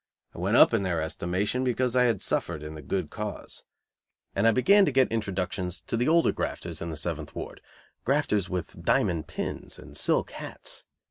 I went up in their estimation because I had suffered in the good cause. And I began to get introductions to the older grafters in the seventh ward grafters with diamond pins and silk hats.